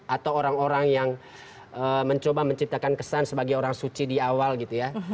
atau orang orang yang mencoba menciptakan kesan sebagai orang suci di awal gitu ya